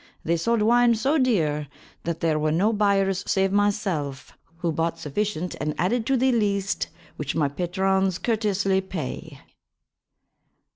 They solde wyne so deare that there were no byers save myself who bought suffycent and added to the lyste which my patrons curtesly pay.